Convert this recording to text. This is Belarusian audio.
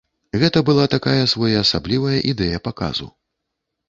Гэта была такая своеасаблівая ідэя паказу.